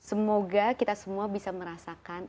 semoga kita semua bisa merasakan